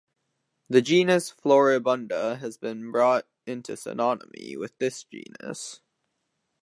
The genus Floribunda has been brought into synonymy with this genus.